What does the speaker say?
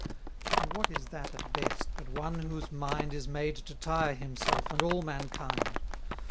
And what is that at best, but one whose mind Is made to tire himself and all mankind?